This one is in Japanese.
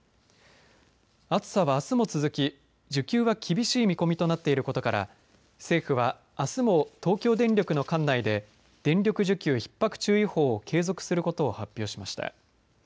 暑さは、あすも続き需給は厳しい見込みとなっていることから政府はあすも東京電力の管内で電力需給ひっ迫注意報を継続することを発表しました。